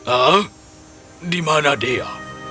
ehm di mana dia